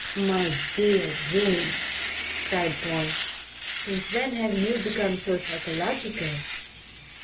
"My dear Jane," cried Paul. "Since when have you become so psychological?"